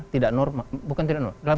tidak normal bukan tidak normal